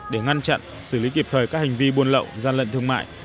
để ngăn chặn xử lý kịp thời các hành vi buôn lậu gian lận thương mại